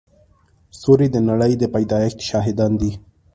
ستوري د نړۍ د پيدایښت شاهدان دي.